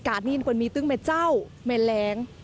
กาศนี้กว่ามีตึงไม่เจ้าไม่แรง